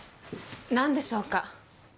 なんでしょうか？